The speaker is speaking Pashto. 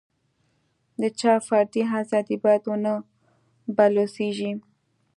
د چا فردي ازادي باید ونه بلوسېږي.